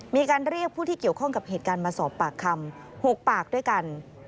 มีการเรียกผู้ที่เกี่ยวข้องกับเหตุการณ์มาสอบปากคำ๖ปากด้วยกัน